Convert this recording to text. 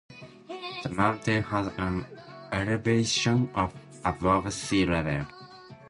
The mountain has an elevation of above sea level.